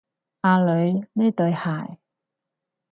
阿女，呢對鞋